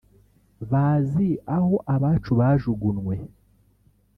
bazi aho abacu bajugunwe